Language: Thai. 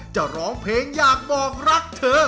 จะร้องเพลงอยากบอกรักเธอ